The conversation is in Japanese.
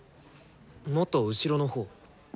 もっと後ろのほう。